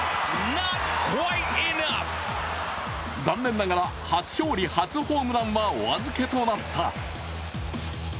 残念ながら初勝利初ホームランはお預けとなった。